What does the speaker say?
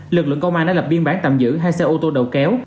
lực lượng công an đã lập biên bản tạm giữ hai xe ô tô đầu kéo